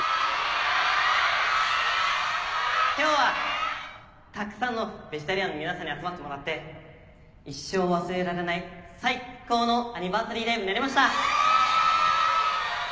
今日はたくさんのベジタリアンの皆さんに集まってもらって一生忘れられない最高のアニバーサリーライブになりました。